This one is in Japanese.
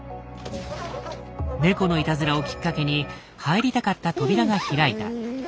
猫のいたずらをきっかけに入りたかった扉が開いた。